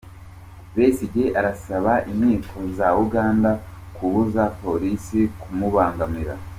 Besigye arasaba inkiko za Uganda kubuza Polisi kumubangamira